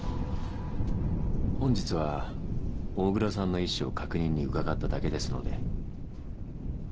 本日は大黒さんの意思を確認に伺っただけですので。